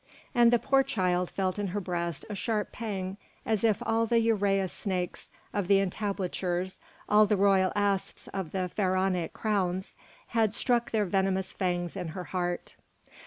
And the poor child felt in her breast a sharp pang as if all the uræus snakes of the entablatures, all the royal asps of the Pharaonic crowns, had struck their venomous fangs in her heart.